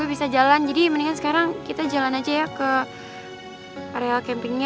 bisa jalan jadi mendingan sekarang kita jalan aja ya ke area campingnya